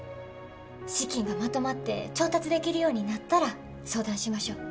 資金がまとまって調達できるようになったら相談しましょう。